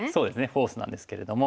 フォースなんですけれども。